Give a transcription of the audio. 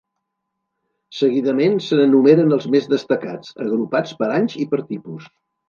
Seguidament se n'enumeren els més destacats, agrupats per anys i per tipus.